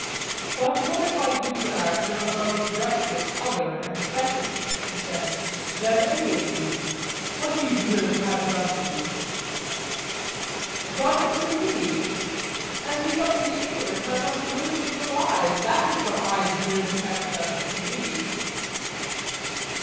But what if I give you an answer about justice other and better, he said, than any of these? What do you deserve to have done to you? Done to me!—as becomes the ignorant, I must learn from the wise—that is what I deserve to have done to me.